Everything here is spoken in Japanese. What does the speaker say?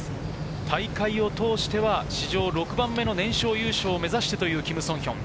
大会を通しては史上６番目の年少優勝を目指してというキム・ソンヒョン。